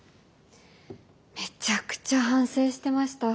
めちゃくちゃ反省してました。